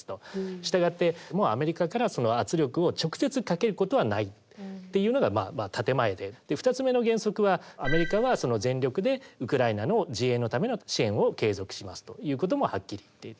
従ってアメリカからはその圧力を直接かけることはないっていうのが建て前でで２つ目の原則はアメリカは全力でウクライナの自衛のための支援を継続しますということもはっきり言っていて。